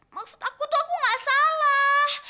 maksud aku tuh aku gak salah